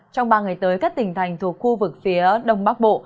trong ba ngày tới các tỉnh thành thuộc khu vực phía đông bắc bộ